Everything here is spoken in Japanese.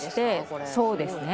これそうですね